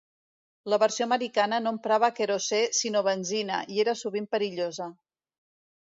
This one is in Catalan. La versió americana no emprava querosè sinó benzina, i era sovint perillosa.